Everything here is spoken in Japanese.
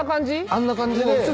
あんな感じで。